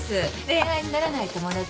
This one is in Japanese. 恋愛にならない友達。